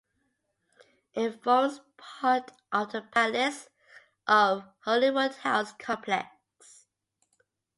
It forms part of the Palace of Holyroodhouse complex.